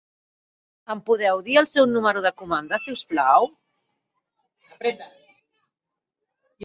Em pot dir el seu número de comanda, si us plau?